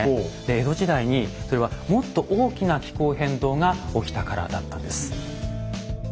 江戸時代にそれはもっと大きな気候変動が起きたからだったんです。